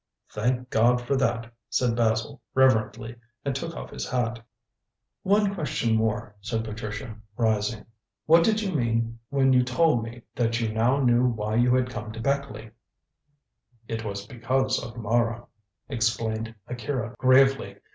"Thank God for that!" said Basil reverently, and took off his hat. "One question more," said Patricia, rising. "What did you mean when you told me that you now knew why you had come to Beckleigh?" "It was because of Mara," explained Akira gravely.